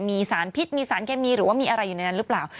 มีสารพิษมีสารเคมีหรือว่ามีอะไรอยู่ในนั้นหรือเปล่า